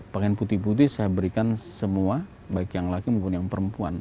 pakaian putih putih saya berikan semua baik yang laki maupun yang perempuan